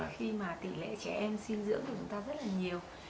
khi mà tỷ lệ trẻ em sinh dưỡng của chúng ta rất là nhiều